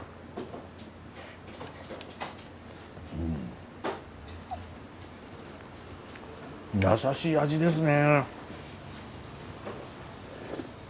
うんやさしい味ですね。